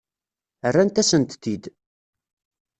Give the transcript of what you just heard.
Rrant-asent-t-id.